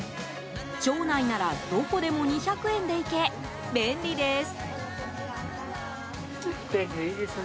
町内ならどこでも２００円で行け便利です。